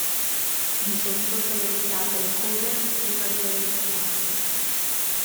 Di sotto sono indicate le "cover "di maggior importanza.